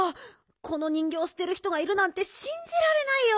この人ぎょうをすてる人がいるなんてしんじられないよ。